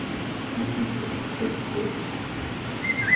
Jusitofe saɨkuede.